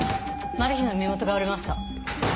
マルヒの身元が割れました。